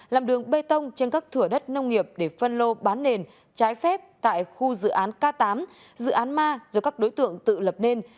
làm đường bê tông trên các thửa đất nông nghiệp để phân lô bán nền trái phép tại khu dự án k tám dự án ma do các đối tượng tự lập nên